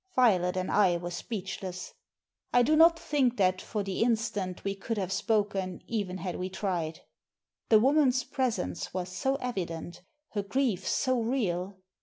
Violet and I were speechless. I do not think that, for the instant, we could have spoken even had we tried. The woman's presence was so evident, her grief so real.